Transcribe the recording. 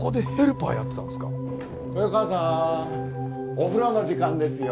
お風呂の時間ですよ。